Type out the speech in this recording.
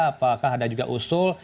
apakah ada juga usul